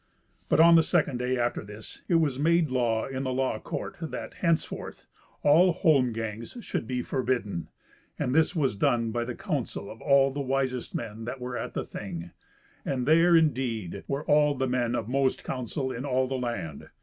But on the second day after this it was made law in the law court that, henceforth, all holmgangs should be forbidden; and this was done by the counsel of all the wisest men that were at the Thing; and there, indeed, were all the men of most counsel in all the land.